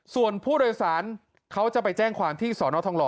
ส่วนผู้โดยสารเขาจะไปแจ้งความที่สอนอทองหล